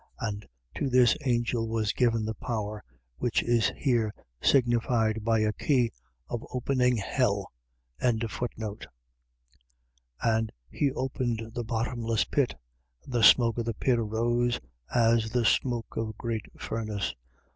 To this angel was given the power, which is here signified by a key, of opening hell. 9:2. And he opened the bottomless pit: and the smoke of the pit arose, as the smoke of a great furnace.